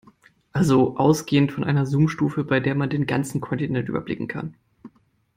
Also ausgehend von einer Zoomstufe, bei der man den ganzen Kontinent überblicken kann.